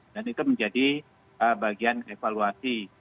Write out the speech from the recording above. dan itu menjadi bagian evaluasi